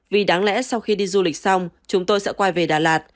vì đáng lẽ sau khi đi du lịch xong chúng tôi sẽ quay về đà lạt